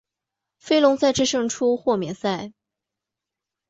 飞龙再次胜出豁免赛。